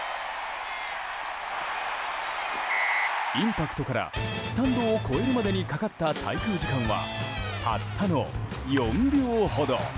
インパクトからスタンドを越えるまでにかかった滞空時間はたったの４秒ほど。